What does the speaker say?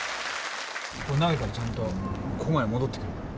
「これ投げたらちゃんとここまで戻ってくる」